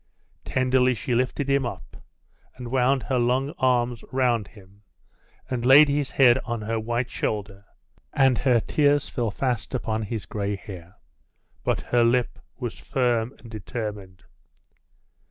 Tenderly she lifted him up, and wound her long arms round him, and laid his head on her white shoulder, and her tears fell fast upon his gray hair; but her lip was firm and determined.